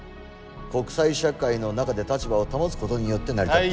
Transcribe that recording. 国際社会の中で立場を保つことによって成り立っている。